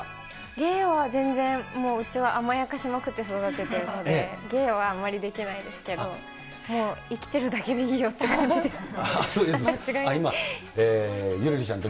芸は全然、もううちは甘やかしまくって育ててるので、芸はあんまりできないですけど、もう生きてるだけでいいよって感じですね。